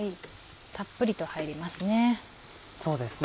たっぷりと入りますね。